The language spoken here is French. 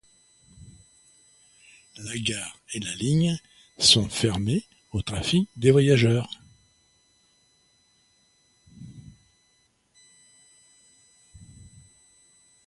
La gare et la ligne sont fermés au trafic des voyageurs.